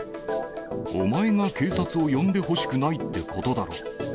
お前が警察を呼んでほしくないってことだろ。